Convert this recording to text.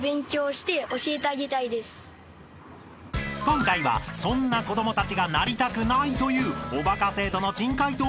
［今回はそんな子供たちがなりたくないというおバカ生徒の］